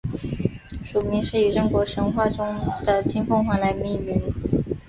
属名是以中国神话中的金凤凰来命名。